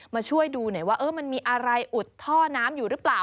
มาช่วยดูหน่อยว่ามันมีอะไรอุดท่อน้ำอยู่หรือเปล่า